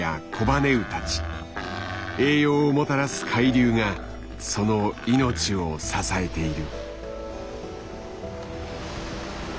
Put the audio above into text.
栄養をもたらす海流がその命を支えている。